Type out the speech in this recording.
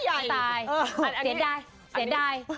เสียดายเสียดาย